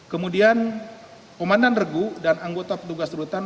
kemudian pemandan regu dan anggota petugas terhutang